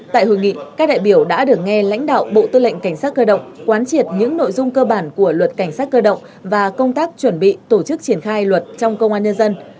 tại hội nghị các đại biểu đã được nghe lãnh đạo bộ tư lệnh cảnh sát cơ động quán triệt những nội dung cơ bản của luật cảnh sát cơ động và công tác chuẩn bị tổ chức triển khai luật trong công an nhân dân